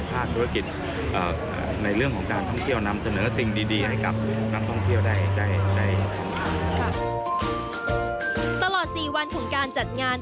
๔วันของการจัดงาน